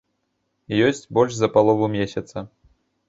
Ёсць больш за палову месяца.